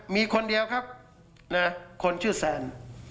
มีคนเดียวครับคนชื่อแซน